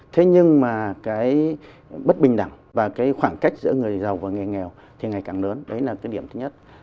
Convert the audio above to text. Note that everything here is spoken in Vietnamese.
thế nhưng mà cái bất bình đẳng và cái khoảng cách giữa người giàu và nghề nghèo thì ngày càng lớn đấy là cái điểm thứ nhất